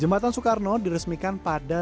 jembatan soekarno diresmikan pada